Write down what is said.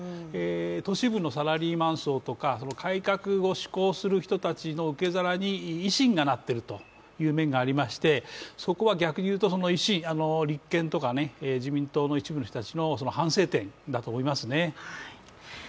都市部のサラリーマン層とか改革を志向する人たちの受け皿に維新がなっているという面がありまして、そこは逆に、立憲とか自民党の一部の人たちの反省点だと思いますね。